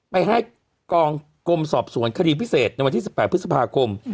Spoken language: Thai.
ไปให้กองกรมสอบสวนคดีพิเศษในวันที่๑๘พฤษภาคม